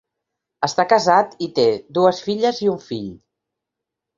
Està casat i té dues filles i un fill.